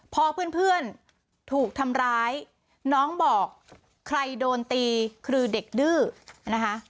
พอเพื่อนถูกทำร้ายน้องบอกใครโดนตีคือเด็กดื้อนะคะ